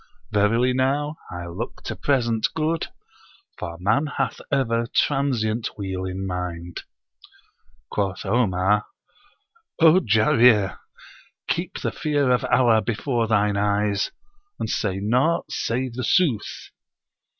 Verily now, I look to present good, for man hath ever transient weal in mind.' Quoth Omar, "O Jarir! keep the fear of Allah before thine eyes, and say naught save the sooth."